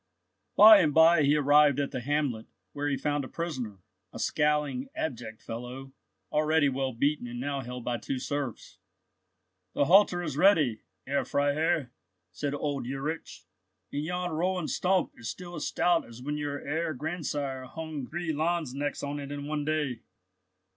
By and by he arrived at the hamlet, where he found a prisoner, a scowling, abject fellow, already well beaten, and now held by two serfs. "The halter is ready, Herr Freiherr," said old Ulrich, "and yon rowan stump is still as stout as when your Herr grandsire hung three lanzknechts on it in one day.